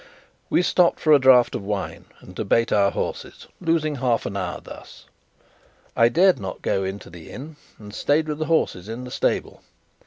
We stopped for a draught of wine and to bait our horses, losing half an hour thus. I dared not go into the inn, and stayed with the horses in the stable.